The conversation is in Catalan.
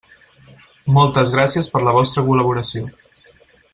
Moltes gràcies per la vostra col·laboració.